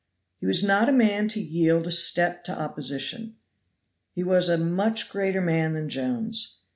He was not a man to yield a step to opposition. He was a much greater man than Jones.